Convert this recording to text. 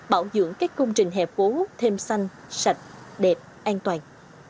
bảo dưỡng các công trình hẹp phố thêm xanh sạch đẹp an toàn